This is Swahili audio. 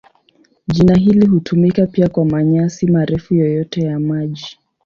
Jina hili hutumika pia kwa manyasi marefu yoyote ya maji.